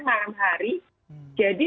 malam hari jadi